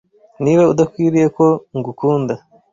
niba udakwiriye ko ngukunda